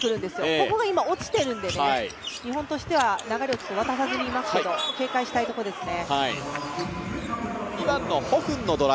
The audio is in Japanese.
ここが今、落ちてるんで日本としては流れを渡さずにいますけど警戒したいところですね。